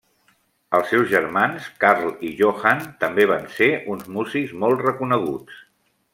Els seus germans Karl i Johann també van ser uns músics molt reconeguts.